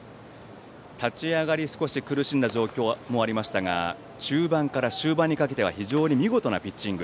立ち上がり少し苦しんだ状況もありましたが中盤から終盤にかけては非常に見事なピッチング。